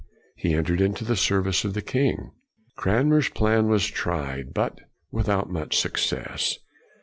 He entered into the service of the king. Cranmer's plan was tried, but without much success.